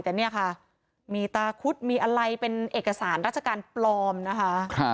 แต่เนี่ยค่ะมีตาคุดมีอะไรเป็นเอกสารราชการปลอมนะคะ